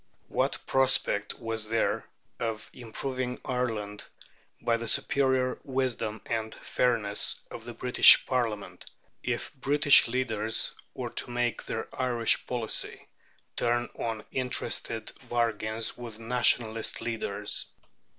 What prospect was there of improving Ireland by the superior wisdom and fairness of the British Parliament, if British leaders were to make their Irish policy turn on interested bargains with Nationalist leaders?